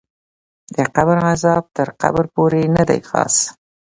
د قبر غذاب تر قبر پورې ندی خاص